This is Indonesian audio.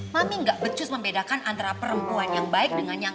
fami gak becus membedakan antara perempuan yang baik dengan yang lain